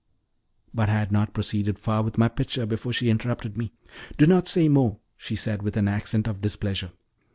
But I had not proceeded far with my picture before she interrupted me. "Do not say more," she said, with an accent of displeasure.